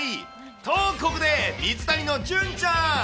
と、ここで水谷の隼ちゃん。